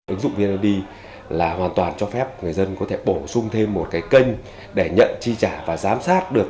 ứng dụng vned là hoàn toàn cho phép người dân có thể bổ sung thêm một cái kênh để nhận chi trả và giám sát được